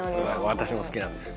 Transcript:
私も好きなんですよ